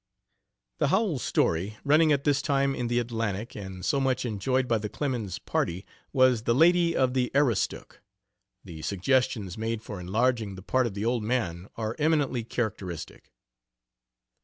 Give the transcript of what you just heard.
The Howells story, running at this time in the Atlantic, and so much enjoyed by the Clemens party, was "The Lady of the Aroostook." The suggestions made for enlarging the part of the "old man" are eminently characteristic.